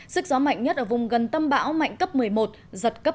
sức gió mạnh nhất ở vùng gần tâm bão mạnh cấp một mươi một giật cấp một mươi ba